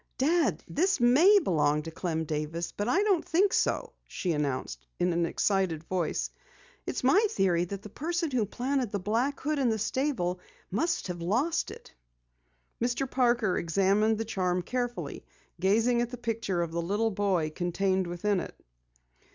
"Dad, this may belong to Clem Davis, but I don't think so!" she announced in an excited voice. "It's my theory that the person who planted the black hood in the stable must have lost it!" Mr. Parker examined the charm carefully, gazing at the picture of the little boy contained within it.